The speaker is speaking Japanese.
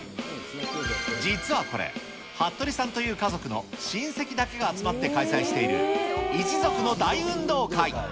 実はこれ、服部さんという家族の親戚だけが集まって開催している、一族の大運動会。